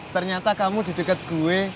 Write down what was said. ternyata kamu di dekat gue